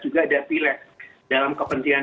juga ada pileg dalam kepentingan